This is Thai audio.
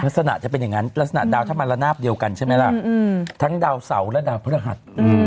ลักษณะจะเป็นอย่างนั้นลักษณะดาวถ้ามันระนาบเดียวกันใช่ไหมล่ะทั้งดาวเสาและดาวพฤหัส